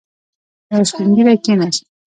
يو سپين ږيری کېناست.